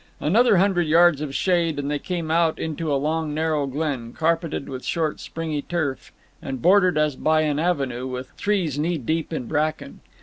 Another hundred yards of shade, and they came out into a long narrow glen, carpeted with short springy turf, and bordered, as by an avenue, with trees knee deep in bracken.